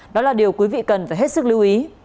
đó là điều quý vị cần phải hết sức lưu ý